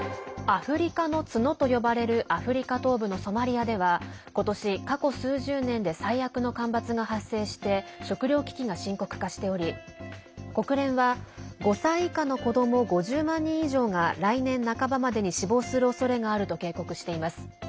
アフリカの角と呼ばれるアフリカ東部のソマリアでは今年、過去数十年で最悪の干ばつが発生して食料危機が深刻化しており国連は、５歳以下の子ども５０万人以上が来年半ばまでに死亡するおそれがあると警告しています。